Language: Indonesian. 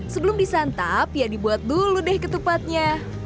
sebelum disantap ya dibuat dulu deh ketupatnya